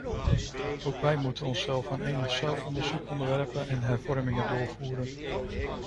Ook wij moeten onszelf aan enig zelfonderzoek onderwerpen en hervormingen doorvoeren.